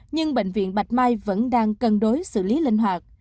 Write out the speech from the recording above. nhưng bệnh viện bạch mai vẫn đang cân đối xử lý linh hoạt